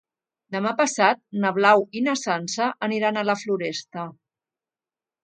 Demà passat na Blau i na Sança aniran a la Floresta.